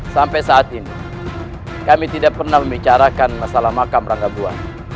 sampai saat ini kami tidak pernah membicarakan masalah makam ranggabuan